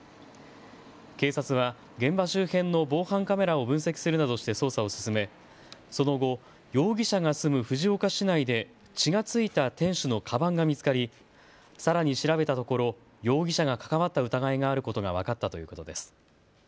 警察は現場周辺の防犯カメラを分析するなどして捜査を進めその後、容疑者が住む藤岡市内で血が付いた店主のかばんが見つかり、さらに調べたところ容疑者が関わった疑いがあることが分かったということです。